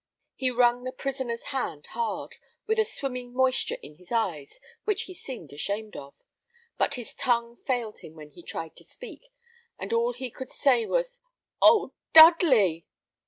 He wrung the prisoner's hand hard, with a swimming moisture in his eyes which he seemed ashamed of; but his tongue failed him when he tried to speak, and all he could say was, "Oh, Dudley!"